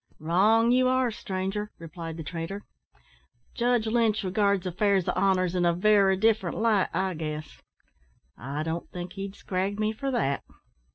"Wrong, you air, stranger," replied the trader; "Judge Lynch regards affairs of honour in a very different light, I guess. I don't think he'd scrag me for that."